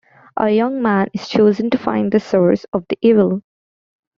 A young man is chosen to find the source of the evil.